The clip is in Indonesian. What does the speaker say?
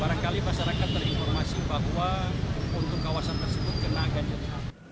barangkali masyarakat terinformasi bahwa untuk kawasan tersebut kena ganjil